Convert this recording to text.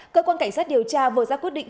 cơ quan cảnh sát điều tra vừa ra quyết định